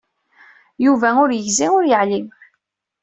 Yuba ur yegzi, ur yeɛlim.